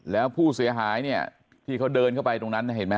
แล้วผู้เสียหายเนี่ยที่เขาเดินเข้าไปตรงนั้นเห็นไหมฮ